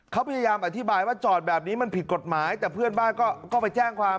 เขาพยายามอธิบายว่าจอดแบบนี้มันผิดกฎหมายแต่เพื่อนบ้านก็ไปแจ้งความ